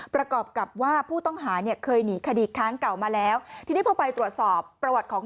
ประกอบกับว่าผู้ต้องหาเนี่ยเคยหนีคดีค้างเก่ามาแล้วทีนี้พอไปตรวจสอบประวัติของ